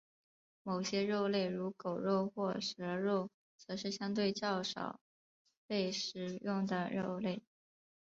某些肉类如狗肉或蛇肉则是相对较少被食用的肉类。